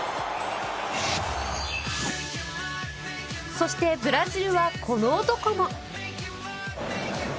そしてブラジルはこの男も。